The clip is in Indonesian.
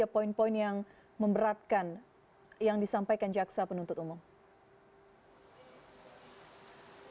poin poin yang memberatkan yang disampaikan jaksa penuntut umum